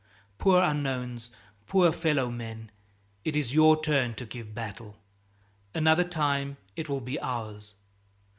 Poor unknowns, poor fellow men, it is your turn to give battle. Another time it will be ours.